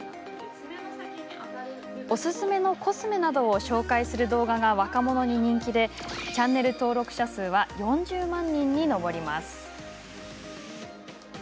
おすすめのコスメなどを紹介する動画が若者に人気でチャンネル登録者数は４０万人に上ります。